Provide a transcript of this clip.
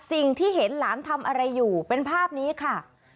สิ่งที่เห็นหลานทำอะไรอยู่เป็นภาพนี้ค่ะ